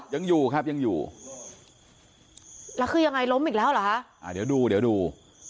ยังอยู่ครับยังอยู่แล้วคือยังไงล้มอีกแล้วเหรอคะอ่าเดี๋ยวดูเดี๋ยวดู